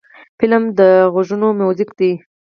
فلم د غوږونو میوزیک دی